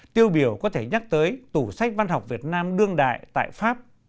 tiêu biểu có thể nhắc tới tủ sách văn học việt nam đương đại tại pháp